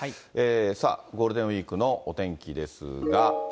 さあ、ゴールデンウィークのお天気ですが。